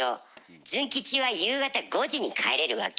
ズン吉は夕方５時に帰れるわけ。